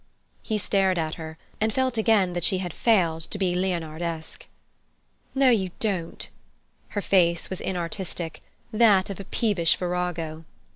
He stared at her, and felt again that she had failed to be Leonardesque. "No, you don't!" Her face was inartistic—that of a peevish virago.